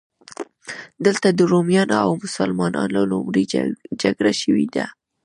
دلته د رومیانو او مسلمانانو لومړۍ جګړه شوې ده.